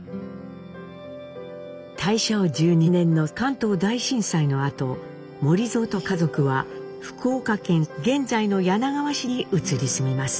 大正１２年の関東大震災のあと守造と家族は福岡県現在の柳川市に移り住みます。